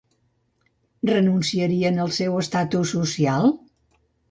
Renunciarien al seu estatus social?